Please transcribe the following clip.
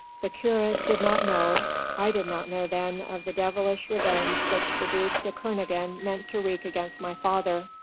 The curé did not know, I did not know then of the devilish revenge which the duc de Kernogan meant to wreak against my father.